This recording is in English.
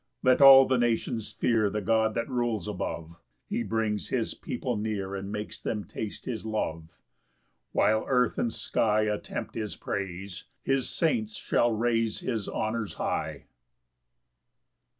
10 Let all the nations fear The God that rules above; He brings his people near, And makes them taste his love: While earth and sky Attempt his praise, His saints shall raise His honours high.